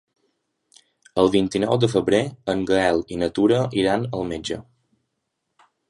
El vint-i-nou de febrer en Gaël i na Tura iran al metge.